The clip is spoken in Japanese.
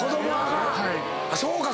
そうか。